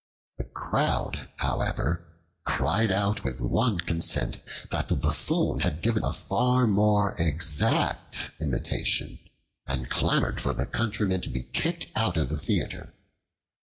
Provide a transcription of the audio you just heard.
The Crowd, however, cried out with one consent that the Buffoon had given a far more exact imitation, and clamored for the Countryman to be kicked out of the theater.